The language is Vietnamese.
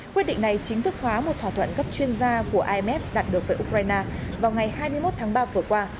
quyết định này chính thức hóa một thỏa thuận cấp chuyên gia của imf đạt được với ukraine vào ngày hai mươi một tháng ba vừa qua